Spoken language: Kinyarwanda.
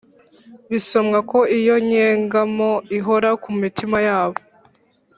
Bisomwa ko iyo nyegamo ihora ku mitima yabo